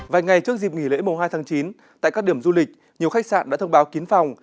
vài ngày trước dịp nghỉ lễ mùng hai tháng chín tại các điểm du lịch nhiều khách sạn đã thông báo kín phòng